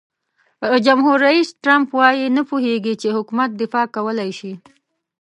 جمهور رئیس ټرمپ وایي نه پوهیږي چې حکومت دفاع کولای شي.